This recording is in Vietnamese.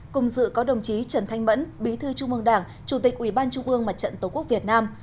cùng dự có đồng chí trần thanh mẫn bí thư trung mương đảng chủ tịch ủy ban trung ương mặt trận tổ quốc việt nam